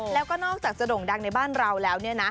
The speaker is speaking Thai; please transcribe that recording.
แล้วก็นอกจากจะโด่งดังในบ้านเราแล้วเนี่ยนะ